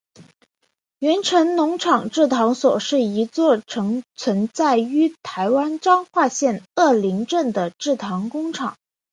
源成农场制糖所是一座曾存在于台湾彰化县二林镇的制糖工厂。